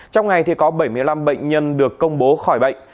trong ngày thì có bảy mươi năm bệnh nhân được công bố khỏi bệnh